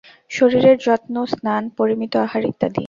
শরীরের যত্ন, স্নান, পরিমিত আহার ইত্যাদি।